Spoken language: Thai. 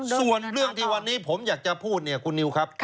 ส่วนเรื่องที่วันนี้ผมอยากจะพูดเนี่ยคุณนิวครับ